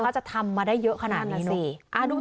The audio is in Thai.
เขาจะทำมาได้เยอะขนาดนี้นี่นุ่ง